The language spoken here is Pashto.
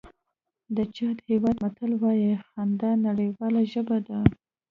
د چاډ هېواد متل وایي خندا نړیواله ژبه ده.